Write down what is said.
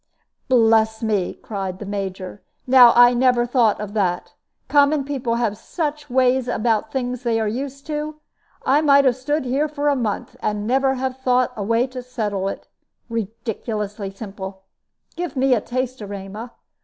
"Bless me!" cried the Major, "now I never thought of that. Common people have such ways about things they are used to! I might have stood here for a month, and never have thought of that way to settle it. Ridiculously simple. Give me a taste, Erema.